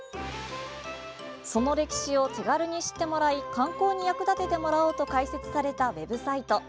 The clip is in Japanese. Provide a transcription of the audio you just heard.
その歴史を手軽に知ってもらい観光に役立ててもらおうと開設されたウェブサイト。